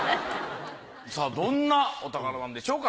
さぁどんなお宝なんでしょうか？